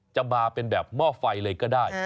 จะมาเป็นแบบหม้อไฟเลยก็ได้